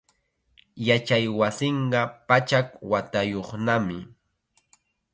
Yachaywasinqa pachak watayuqnami.